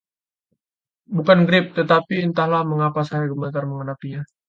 bukan grip, tetapi entahlah mengapa saya gemetar menghadapinya